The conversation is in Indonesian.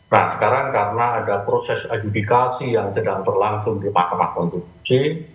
nah sekarang karena ada proses adjudikasi yang sedang berlangsung di mahkamah konstitusi